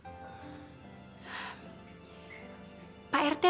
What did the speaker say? pak rt tahu alamat pak luki